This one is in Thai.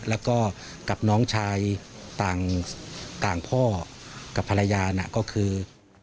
แล้วก็กับน้องชายต่างพ่อกับภรรยาน่ะก็คือ